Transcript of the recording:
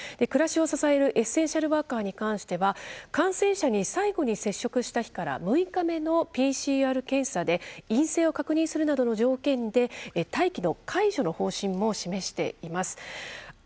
暮らしを支えるエッセンシャルワーカーに関しては、感染者に最後に接触した日から６日目のＰＣＲ検査で陰性を確認するなどの条件で待機の解除の方針も示しています。